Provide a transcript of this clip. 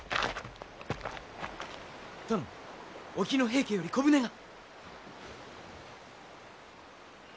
殿沖の平家より小舟が。